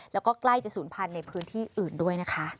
แล้วก็ใกล้จะศูนย์พันธุ์ในพื้นที่อื่นด้วยนะคะ